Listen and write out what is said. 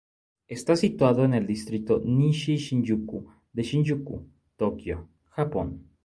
Está situado en el distrito Nishi-Shinjuku de Shinjuku, Tokio, Japón.